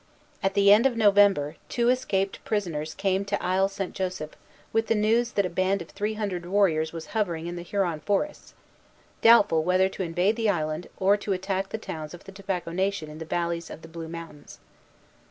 At the end of November, two escaped prisoners came to Isle St. Joseph with the news that a band of three hundred warriors was hovering in the Huron forests, doubtful whether to invade the island or to attack the towns of the Tobacco Nation in the valleys of the Blue Mountains.